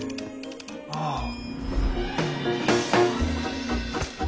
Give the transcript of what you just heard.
ああ。